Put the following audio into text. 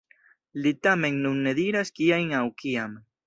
Li tamen nun ne diras kiajn aŭ kiam.